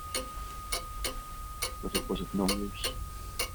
But it was of no use.